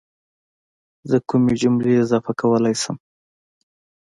زه کومې جملې اضافه کولی شم